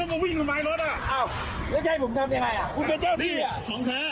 ก็ไม่ดีมันก็วิ่งขนาดรถอ่ะอ้าวแล้วให้ผมทำยังไงอ่ะ